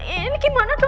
ini gimana tuh